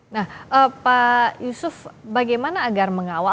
nah pak yusuf bagaimana agar mengawal